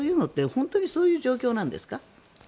本当にそういう状況なんですか。